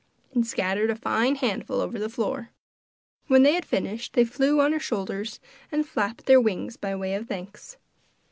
and scattered a fine handful over the floor. When they had finished they flew on her shoulders and flapped their wings by way of thanks.